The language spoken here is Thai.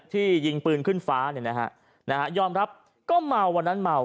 ยิงปืนขึ้นฟ้าเนี่ยนะฮะยอมรับก็เมาวันนั้นเมา